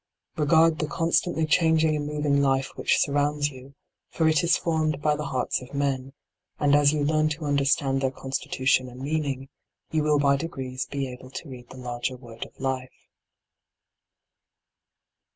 Regard the constantly changing and moving life which surrounds you, for it is formed by the hearts of men : and as you learn to understand their constitution and meaning, you will by degrees be able to read the larger word of life.